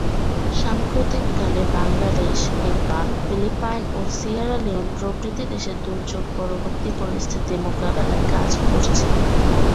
সাম্প্রতিককালে বাংলাদেশ, নেপাল, ফিলিপাইন ও Sierra Leone প্রভৃতি দেশে দুর্যোগ-পরবর্তী পরিস্থিতি মোকাবেলায় কাজ করছে।